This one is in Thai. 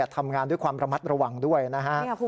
ทำงานด้วยความระมัดระวังด้วยนะฮะ